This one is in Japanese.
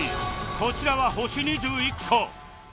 こちらは星２１個